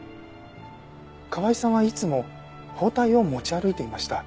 川井さんはいつも包帯を持ち歩いていました。